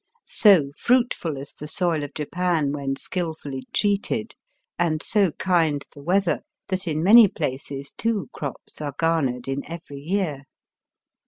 So fruitful is the soil of Japan when skilfully treated, and so kind the weather, that in many places two crops are garnered in every year.